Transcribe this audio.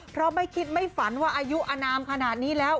เพราะไม่คิดไม่ฝันว่าอายุอนามขนาดนี้แล้ว